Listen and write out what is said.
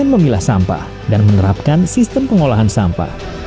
memilah sampah dan menerapkan sistem pengolahan sampah